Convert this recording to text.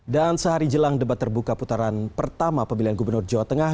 dan sehari jelang debat terbuka putaran pertama pemilihan gubernur jawa tengah